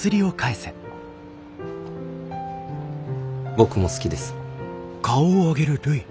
僕も好きです。